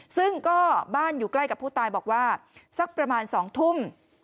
ซึ่งก็บ้านอยู่ใกล้กับผู้ตายบอกว่าสักประมาณ๒ทุ่ม